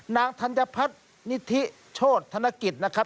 ธัญพัฒนิธิโชธนกิจนะครับ